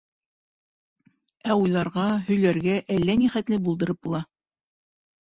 Ә уйларға, һөйләргә әллә ни хәтле булдырып була.